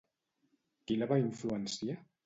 Qui la va influenciar?